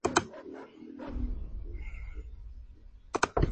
Tras esta acción fue ascendido a general.